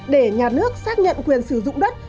để nhà nước xác nhận quyền sử dụng đất